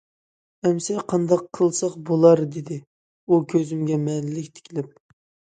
ئەمسە قانداق قىلساق بولار دېدى ئۇ كۆزۈمگە مەنىلىك تىكىلىپ.